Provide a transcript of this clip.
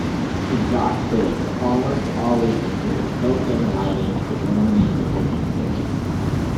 Exhaust hoods almost always include built-in lighting to illuminate the cooking surface.